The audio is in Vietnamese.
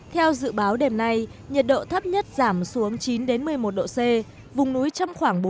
theo dự báo đêm nay nhiệt độ thấp nhất giảm xuống chín một mươi một độ c vùng núi trong khoảng bốn mươi